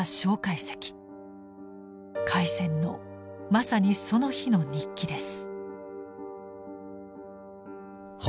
開戦のまさにその日の日記です。